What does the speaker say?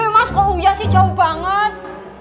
mas kok huya sih jauh banget